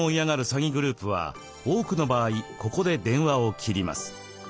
詐欺グループは多くの場合ここで電話を切ります。